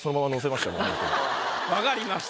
分かりました。